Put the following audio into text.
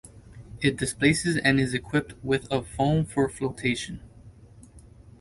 It displaces and is equipped with of foam for flotation.